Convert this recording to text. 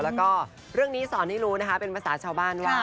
แล้วก็เรื่องนี้สอนให้รู้นะคะเป็นภาษาชาวบ้านว่า